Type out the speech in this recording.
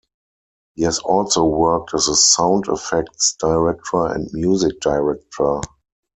He has also worked as a sound effects director and music director.